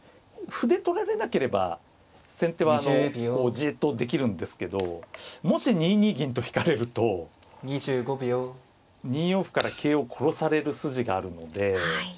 歩で取られなければ先手はじっとできるんですけどもし２二銀と引かれると２四歩から桂を殺される筋があるので。